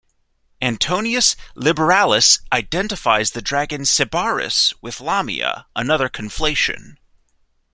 Antoninus Liberalis identifies the dragon Sybaris with Lamia, another conflation.